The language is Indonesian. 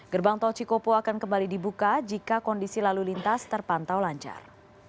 gerbang tol cikopo akan kembali dibuka jika kondisi lalu lintas terpantau lancar